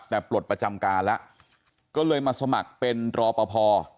แต่ปลดประจำการแล้วก็เลยมาสมัครเป็นรอปภ